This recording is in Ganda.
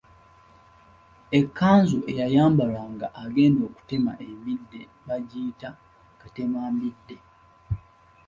Ekkanzu eyayambalwanga abagenda okutema embidde bagiyita katemambidde.